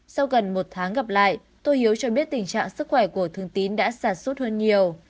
sau gần một tháng gặp lại tô hiếu cho biết tình trạng sức khỏe của thương tín đã sạt sút hơn nhiều